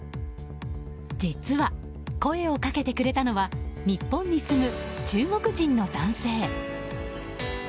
実は、声をかけてくれたのは日本に住む中国人の男性。